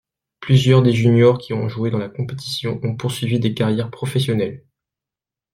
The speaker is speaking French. Plusieurs des juniors qui ont joué dans la compétition ont poursuivi des carrières professionnelles.